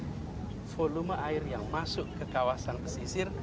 karena volume air yang masuk ke kawasan pesisir